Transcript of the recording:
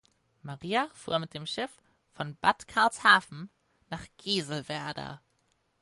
Maria fuhr mit dem Schiff von Bad Karlshafen nach Gieselwerder.